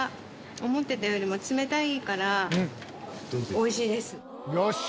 思ってたよりも冷たいから、おいしいです。